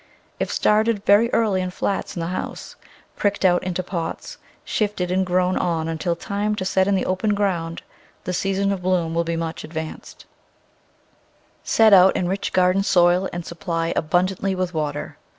If started very early in flats in the house, pricked out into pots, shifted and grown on until time to set in the open ground, the season of bloom will be much advanced. Digitized by Google 104 7^ Flower Garden [Chapter Set out in rich garden soil and supply abundantly with water.